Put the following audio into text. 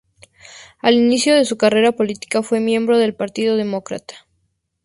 Al inicio de su carrera política fue miembro del Partido Demócrata.